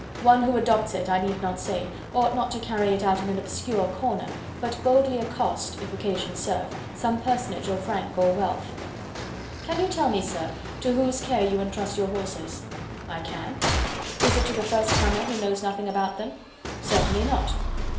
One who adopts it, I need not say, ought not to carry it out in an obscure corner, but boldly accost, if occasion serve, some personage of rank or wealth. "Can you tell me, sir, to whose care you entrust your horses?" "I can." "Is it to the first comer, who knows nothing about them?" "Certainly not."